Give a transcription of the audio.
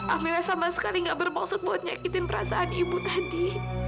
amira sama sekali gak bermaksud buat nyakitin perasaan ibu tadi